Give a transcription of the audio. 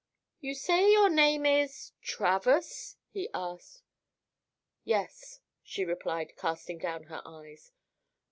"You say your name is—Travers?" he asked. "Yes," she replied, casting down her eyes.